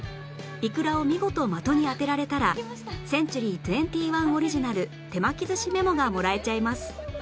イクラを見事的に当てられたらセンチュリー２１オリジナル手巻き寿司メモがもらえちゃいます